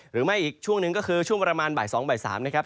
หรือไม่อีกช่วงนึงก็คือช่วงประมาณบ่าย๒๐๐๒๓๐นี้นะครับ